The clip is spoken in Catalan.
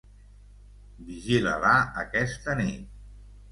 Vigila-la aquesta nit.